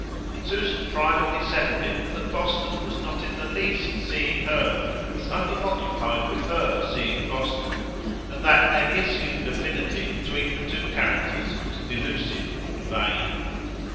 Susan privately settled it that Boston was not in the least seeing her, was only occupied with her seeing Boston, and that any assumed affinity between the two characters was delusive and vain.